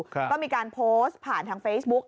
ก็มีการโพสต์ผ่านทางเฟซบุ๊ก